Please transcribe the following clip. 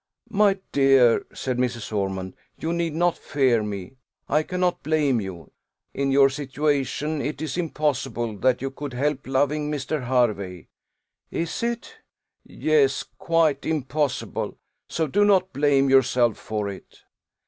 "My dear," said Mrs. Ormond, "you need not fear me I cannot blame you: in your situation, it is impossible that you could help loving Mr. Hervey." "Is it?" "Yes; quite impossible. So do not blame yourself for it."